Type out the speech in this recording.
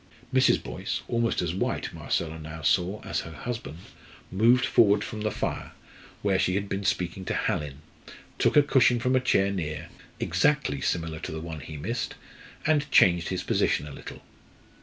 Mrs. Boyce, almost as white, Marcella now saw, as her husband, moved forward from the fire, where she had been speaking to Hallin, took a cushion from a chair near, exactly similar to the one he missed, and changed his position a little.